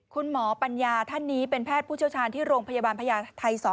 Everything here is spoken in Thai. ปัญญาท่านนี้เป็นแพทย์ผู้เชี่ยวชาญที่โรงพยาบาลพญาไทย๒